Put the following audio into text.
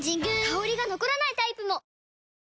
香りが残らないタイプも！